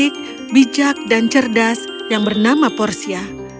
dia akan menikah dengan gila bijak dan cerdas yang bernama portia